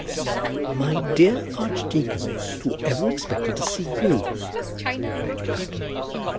"My dear archdeacon, who ever expected to see you?" said old Lady Lufton.